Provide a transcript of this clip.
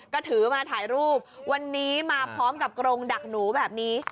ก็ถือมาถ่ายรูปวันนี้มาพร้อมกับกรงดักหนูแบบนี้